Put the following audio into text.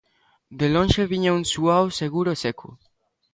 De lonxe viña un suao seguro e seco.